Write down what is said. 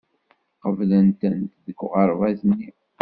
Qeblen-tent deg uɣerbaz-nni.